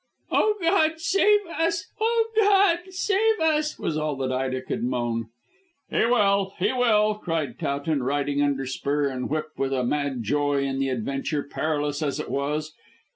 "Oh, God, save us! Oh, God, save us!" was all that Ida could moan. "He will; He will," cried Towton, riding under spur and whip with a mad joy in the adventure, perilous as it was.